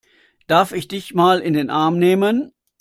Darf ich dich mal in den Arm nehmen?